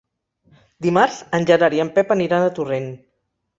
Dimarts en Gerard i en Pep aniran a Torrent.